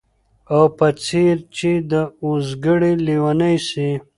او په څېر چي د اوزګړي لېونی سي